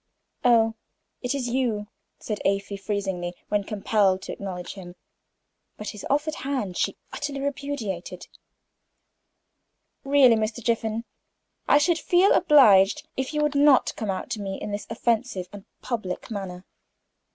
"Oh, it is you!" said Afy, freezingly, when compelled to acknowledge him, but his offered hand she utterly repudiated. "Really, Mr. Jiffin, I should feel obliged if you would not come out to me in this offensive and public manner."